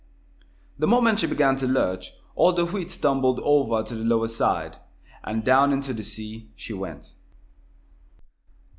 The moment she began to lurch, all the wheat tumbled over to the lower side, and down into the sea she went.